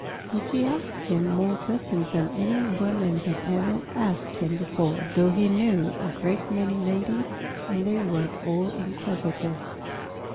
And she asked him more questions than any woman had ever asked him before, though he knew a great many ladies, and they were all inquisitive.